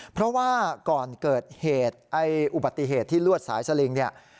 เพราะว่าก่อนเกิดอุบัติเหตุที่ลวดสายสลิง